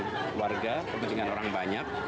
kepentingan warga kepentingan orang banyak